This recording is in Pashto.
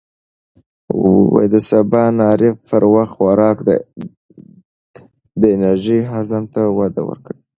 د سباناري پر وخت خوراک د انرژۍ هضم ته وده ورکوي.